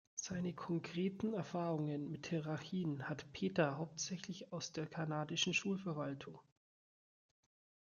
Seine konkreten Erfahrungen mit Hierarchien hat Peter hauptsächlich aus der kanadischen Schulverwaltung.